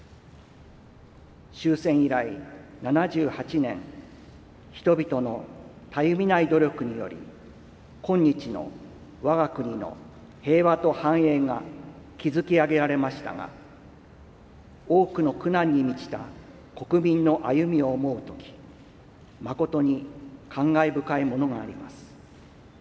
終戦以来７８年、人々のたゆみない努力により、今日の我が国の平和と繁栄が築き上げられましたが多くの苦難に満ちた国民の歩みを思うとき誠に感慨深いものがあります。